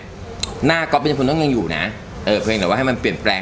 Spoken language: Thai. บอกปูปเบอร์เร็ว